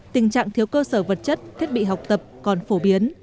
tình trạng thiếu cơ sở vật chất thiết bị học tập còn phổ biến